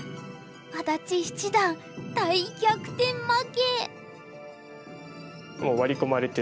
安達七段大逆転負け。